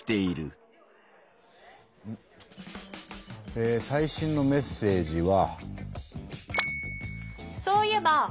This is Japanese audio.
え最新のメッセージは。